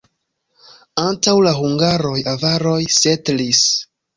Antaŭ la hungaroj avaroj setlis.